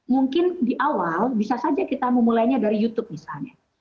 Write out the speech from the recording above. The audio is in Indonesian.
mungkin di awal bisa saja kita memulainya dari youtube misalnya